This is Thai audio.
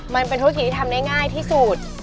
มันเป็นธุรกิจที่ทำได้ง่ายที่สุด